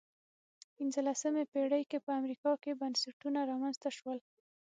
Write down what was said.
پنځلسمې پېړۍ کې په امریکا کې بنسټونه رامنځته شول.